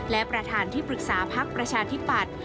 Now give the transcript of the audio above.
และประธานที่ปรึกษาพักประชาธิปัตย์